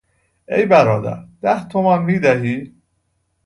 ای برادر، ده تومان میدهی؟